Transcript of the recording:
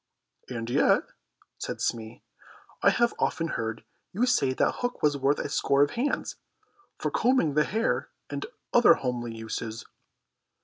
"And yet," said Smee, "I have often heard you say that hook was worth a score of hands, for combing the hair and other homely uses."